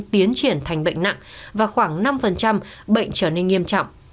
tiến triển thành bệnh nặng và khoảng năm bệnh trở nên nghiêm trọng